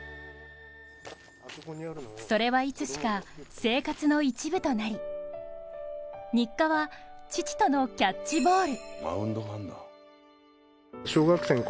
それはいつしか生活の一部となり日課は父とのキャッチボール。